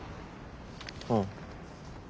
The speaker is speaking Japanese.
うん。